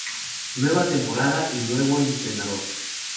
Nueva temporada y nuevo entrenador.